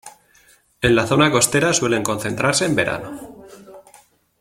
En la zona costera suelen concentrarse en verano